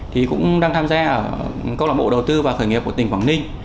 thì cũng đang tham gia ở cộng đồng bộ đầu tư và khởi nghiệp của tỉnh quảng ninh